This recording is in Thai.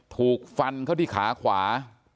ถูกฟันเข้าที่ขาขวา